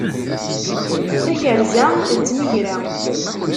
Takerza d tmegra.